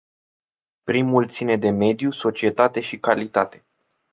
Primul ține de mediu, societate și calitate.